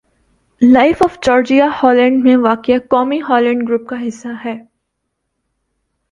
life of Georgia Holland میں واقع قومی ہالینڈ گروپ کا حصّہ ہے